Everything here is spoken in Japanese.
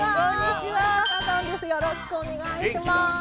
よろしくお願いします！